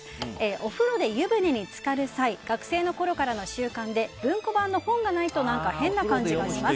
お風呂で湯船に浸かる際学生のころからの習慣で文庫版の本がないと何か変な感じがします。